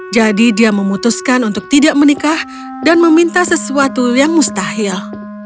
jadi dia memutuskan untuk tidak menikah dan meminta sesuatu yang mustahil